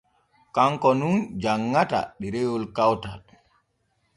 Kanko nun janŋata ɗerewol kawtal.